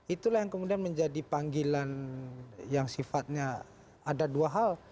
itulah yang kemudian menjadi panggilan yang sifatnya ada dua hal